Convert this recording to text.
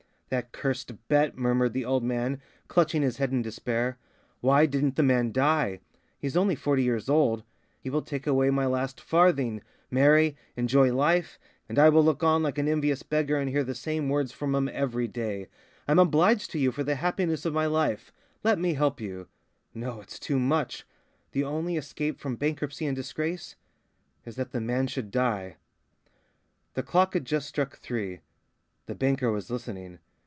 "That cursed bet," murmured the old man clutching his head in despair... "Why didn't the man die? He's only forty years old. He will take away my last farthing, marry, enjoy life, gamble on the Exchange, and I will look on like an envious beggar and hear the same words from him every day: 'I'm obliged to you for the happiness of my life. Let me help you.' No, it's too much! The only escape from bankruptcy and disgrace is that the man should die." The clock had just struck three. The banker was listening.